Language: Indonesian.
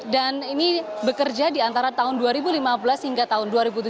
dan ini bekerja di antara tahun dua ribu lima belas hingga tahun dua ribu tujuh belas